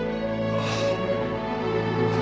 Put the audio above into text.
ああ。